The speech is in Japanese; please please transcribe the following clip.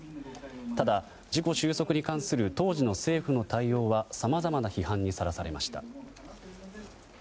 ただ、事故収束に関する当時の政府の対応はさまざまな批判にさらされました。